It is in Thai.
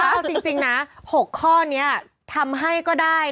เอาจริงนะ๖ข้อนี้ทำให้ก็ได้